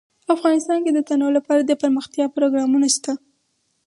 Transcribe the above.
افغانستان کې د تنوع لپاره دپرمختیا پروګرامونه شته.